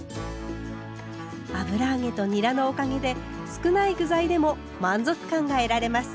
油揚げとにらのおかげで少ない具材でも満足感が得られます。